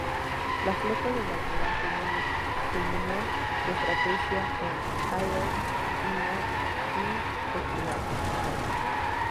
La flota del almirante Nimitz culminó su estrategia en Iwo Jima y Okinawa.